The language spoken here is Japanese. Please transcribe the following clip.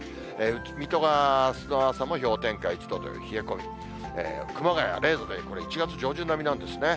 水戸があすの朝も氷点下１度という冷え込み、熊谷は０度で、これ、１月上旬並みなんですね。